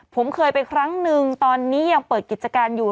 ผมเคยไปครั้งนึงตอนนี้ยังเปิดกิจการอยู่